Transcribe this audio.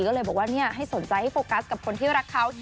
ก็เลยบอกว่าให้สนใจให้โฟกัสกับคนที่รักเขา